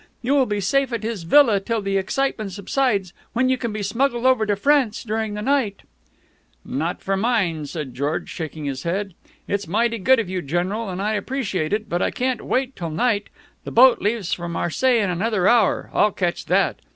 You will be safe at his villa till the excitement subsides, when you can be smuggled over to France during the night " "Not for mine," said John, shaking his head. "It's mighty good of you, General, and I appreciate it, but I can't wait till night. The boat leaves for Marseilles in another hour. I'll catch that.